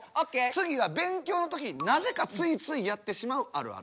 次は勉強の時なぜかついついやってしまうあるある。